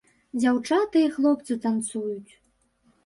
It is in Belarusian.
Дзяўчаты і хлопцы танцуюць.